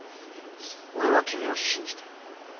俺は君を信じてる。